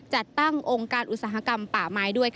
จัดตั้งองค์การอุตสาหกรรมป่าไม้ด้วย